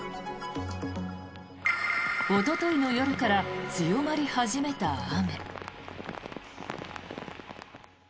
おとといの夜から強まり始めた雨。